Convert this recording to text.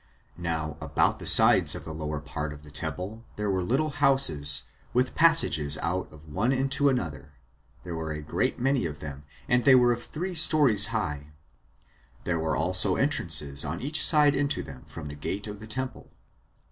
Now, about the sides of the lower part of the temple, there were little houses, with passages out of one into another; there were a great many of them, and they were of three stories high; there were also entrances on each side into them from the gate of the temple.